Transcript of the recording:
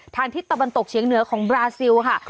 ทิศตะวันตกเฉียงเหนือของบราซิลค่ะ